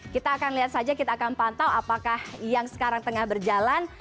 kita akan lihat saja kita akan pantau apakah yang sekarang tengah berjalan